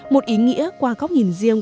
một ý nghĩa qua góc nhìn riêng